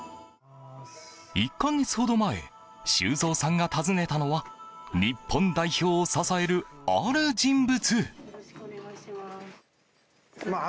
１か月ほど前修造さんが訪ねたのは日本代表を支える、ある人物。